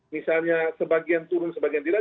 misalnya sebagian turun sebagian tidak